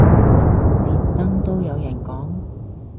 連登都有人講